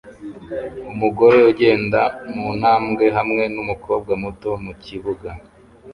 Umugore ugenda muntambwe hamwe numukobwa muto mukibuga